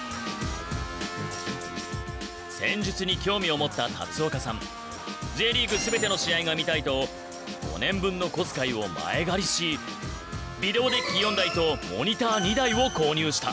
戦術に興味を持った龍岡さんＪリーグ全ての試合が見たいと５年分の小遣いを前借りしビデオデッキ４台とモニター２台を購入した。